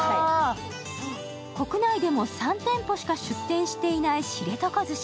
国内でも３店舗しか出店していない知床ずし。